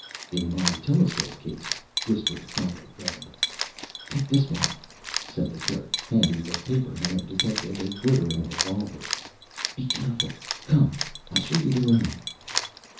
"In my telescope case," whispered Philo Gubb. "Take this one," said the clerk, handing the paper hanger detective a glittering revolver. "Be careful. Come I'll show you the room."